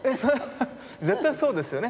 絶対そうですよね。